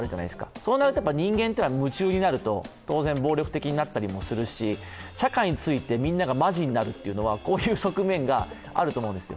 そうなると人間っていうのは夢中になると当然暴力的になったりもするし社会についてみんながマジになるというのはこういう側面があると思うんですよ。